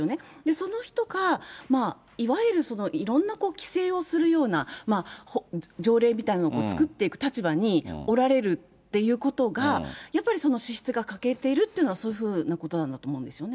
その人が、いわゆるいろんな規制をするような条例みたいなのを作っていく立場におられるっていうことが、やっぱり資質が欠けてるというのは、そういうふうなことだと思うんですよね。